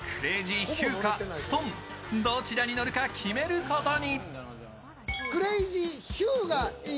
残りの５人でクレージー「ヒュー」か「ストン」、どちらに乗るか決めることに。